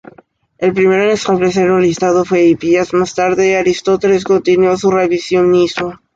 El primero en establecer un listado fue Hipias, más tarde Aristóteles continuó su revisionismo.